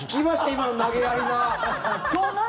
今の投げやりな。